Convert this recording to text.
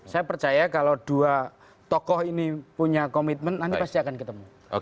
saya percaya kalau dua tokoh ini punya komitmen nanti pasti akan ketemu